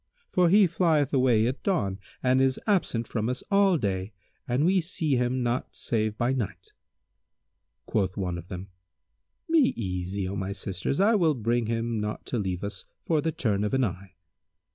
For he flieth away at dawn and is absent from us all day and we see him not save by night." Quoth one of them, "Be easy, O my sisters; I will bring him not to leave us for the turn of an eye?"